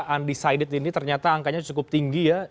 undecided ini ternyata angkanya cukup tinggi ya